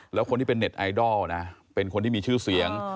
แล้วคนที่เป็นเน็ตไอดอลนะเป็นคนที่มีชื่อเสียง